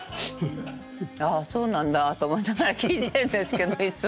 ああそうなんだと思いながら聞いてんですけどいつも。